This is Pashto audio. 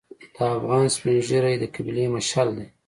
د افغان سپین ږیری د قبیلې مشعل دی.